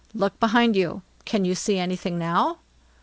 "Look behind you! can you see anything now?"